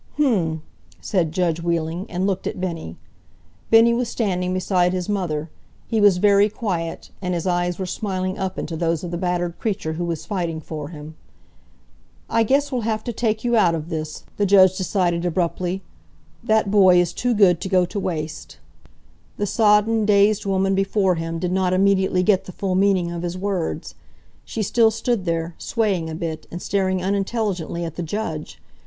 "H'm!" said judge Wheeling, and looked at Bennie. Bennie was standing beside his mother. He was very quiet, and his eyes were smiling up into those of the battered creature who was fighting for him. "I guess we'll have to take you out of this," the judge decided, abruptly. "That boy is too good to go to waste." The sodden, dazed woman before him did not immediately get the full meaning of his words. She still stood there, swaying a bit, and staring unintelligently at the judge.